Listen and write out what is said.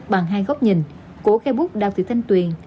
bằng hai góc nhìn của khe bút đào thị thanh tuyền